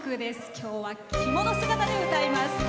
今日は着物姿で歌います。